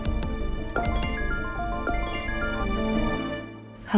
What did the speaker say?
kita kayak jadi pahah